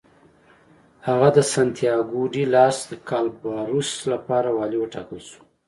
هغه د سنتیاګو ډي لاس کابالروس لپاره والي وټاکل شو.